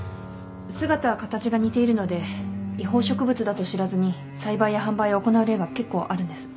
姿形が似ているので違法植物だと知らずに栽培や販売を行う例が結構あるんです。